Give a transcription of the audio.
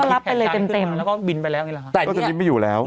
รับไปเลยเต็มนะแล้วก็บินไปแล้วนี่แหละฮะ